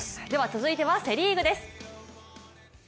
続いてはセ・リーグです。